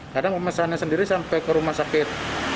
kadang memesannya sendiri sampai ke rumah sakit